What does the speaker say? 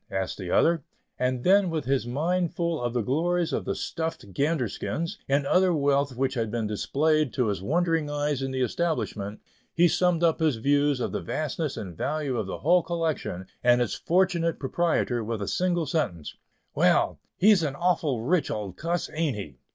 asked the other, and then with his mind full of the glories of the stuffed gander skins, and other wealth which had been displayed to his wondering eyes in the establishment, he summed up his views of the vastness and value of the whole collection, and its fortunate proprietor in a single sentence: "Well, he's an awful rich old cuss, ain't he!"